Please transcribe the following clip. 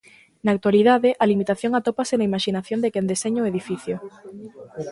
Na actualidade, a limitación atópase na imaxinación de quen deseña o edificio.